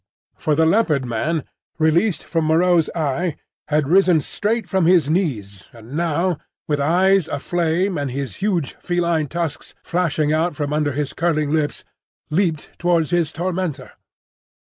For the Leopard man, released from Moreau's eye, had risen straight from his knees, and now, with eyes aflame and his huge feline tusks flashing out from under his curling lips, leapt towards his tormentor.